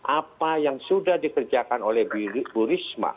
apa yang sudah dikerjakan oleh bu risma